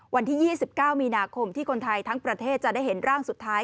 วันที่๒๙มีนาคมที่คนไทยทั้งประเทศจะได้เห็นร่างสุดท้าย